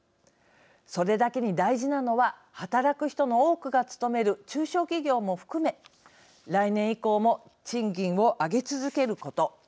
それだけに、大事なのは働く人の多くが勤める中小企業も含め来年以降も賃金を上げ続けること。